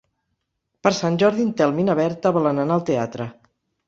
Per Sant Jordi en Telm i na Berta volen anar al teatre.